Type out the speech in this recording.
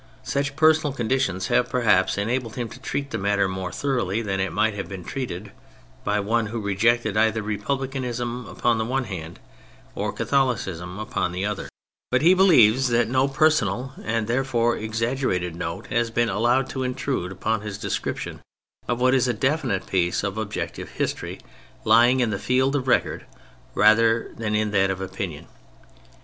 Such personal conditions have perhaps en abled him to treat the matter more thoroughly than it might have been treated by one who rejected either Republicanism upon the one hand, or Catholicism upon the other; but he PREFACE ix believes that no personal and therefore exaggerated note has been allowed to intrude upon his description of what is a definite piece of objective history lying in the field of record rather than in that of opinion.